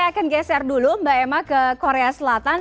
oke kita lihat dulu mbak emma ke korea selatan